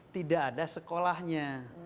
tidak ada sekolahnya